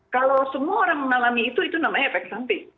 kalau semua orang mengalami itu itu namanya efek samping